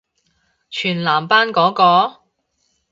全男班嗰個？